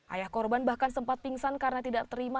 ayah korban bahkan sempat pingsan karena tidak terima